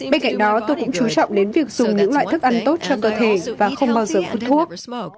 bên cạnh đó tôi cũng chú trọng đến việc dùng những loại thức ăn tốt cho cơ thể và không bao giờ phun thuốc